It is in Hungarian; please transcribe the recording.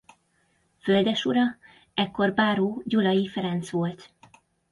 Földesura ekkor báró Gyulay Ferenc volt.